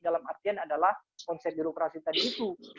dalam artian adalah konsep birokrasi tadi itu